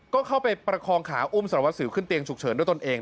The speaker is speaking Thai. ก็เข้าไปประคองขาอุ้มสารวัสสิวขึ้นเตียงฉุกเฉินด้วยตนเอง